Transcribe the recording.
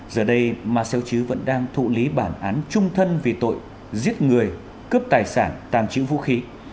giờ đây marcel chứ vẫn đang thụ lý bản án trung thân vì tội giết người cướp tài sản tàn trữ vũ khí